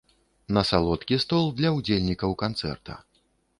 На салодкі стол для ўдзельнікаў канцэрта.